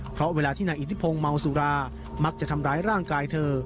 เพราะเวลาที่นายอิทธิพงศ์เมาสุรามักจะทำร้ายร่างกายเธอ